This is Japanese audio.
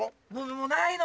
もうないの。